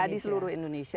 jadi dari seluruh indonesia